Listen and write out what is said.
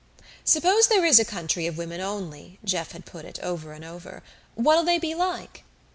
"Suppose there is a country of women only," Jeff had put it, over and over. "What'll they be like?"